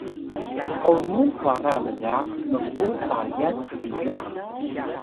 s’onun kwara lga mpu payat pila